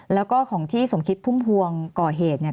แล้วก็ของที่สมคิดพุ่มพวงก่อเหตุเนี่ย